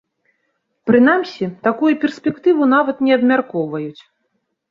Прынамсі, такую перспектыву нават не абмяркоўваюць.